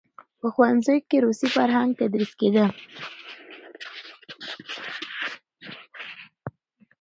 په ښوونځیو کې روسي فرهنګ تدریس کېده.